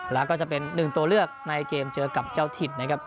แล้วก็จะเป็นหนึ่งตัวเลือกในเกมเจอกับเจ้าถิ่นนะครับ